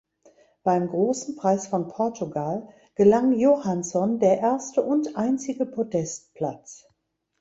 Beim Großen Preis von Portugal gelang Johansson der erste und einzige Podestplatz.